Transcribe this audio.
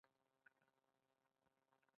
زردالو د افغان ماشومانو د لوبو موضوع ده.